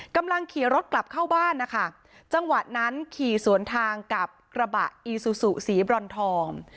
กำลังขี่รถกลับเข้าบ้านนะคะจังหวะนั้นขี่สวนทางกับกระบะอีซูซูสีบรอนทอง